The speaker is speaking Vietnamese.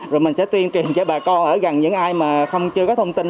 rồi mình sẽ tuyên truyền cho bà con ở gần những ai mà không chưa có thông tin